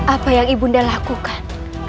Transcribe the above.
apa yang ibu nda lakukan